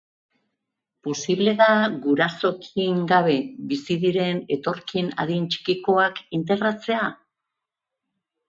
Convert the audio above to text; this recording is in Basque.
Posible da gurasorik gabe bizi diren etorkin adin txikikoak integratzea?